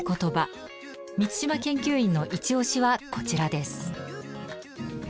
満島研究員のイチオシはこちらです。